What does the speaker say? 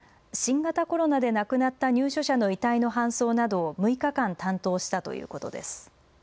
そして配膳やおむつ交換のほか新型コロナで亡くなった入所者の遺体の搬送などを６日間担当したということです。